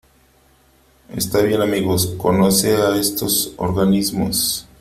Está bien . Amigos .¿ conoce a estos organismos ?